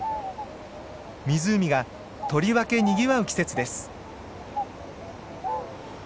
湖がとりわけにぎわう季節です。